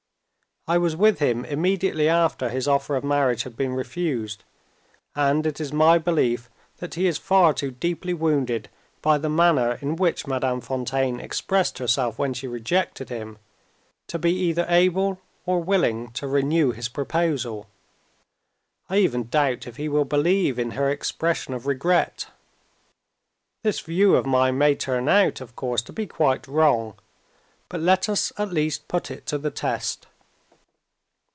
I was with him immediately after his offer of marriage had been refused; and it is my belief that he is far too deeply wounded by the manner in which Madame Fontaine expressed herself when she rejected him, to be either able, or willing, to renew his proposal. I even doubt if he will believe in her expression of regret. This view of mine may turn out, of course, to be quite wrong; but let us at least put it to the test.